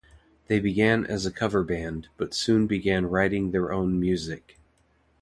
They began as a cover band, but soon began writing their own music.